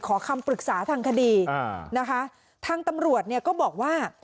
คำปรึกษาทางคดีนะคะทางตำรวจเนี่ยก็บอกว่า